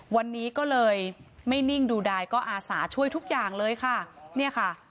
วันนี้ก็เลยไม่นิ่งดูดายก็อาสาช่วยทุกอย่างเลยค่ะเนี่ยค่ะ